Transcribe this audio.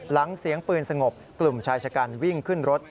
เสียงปืนสงบกลุ่มชายชะกันวิ่งขึ้นรถ